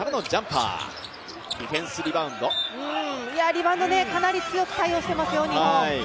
リバウンド、かなり強く対応していますよ、日本。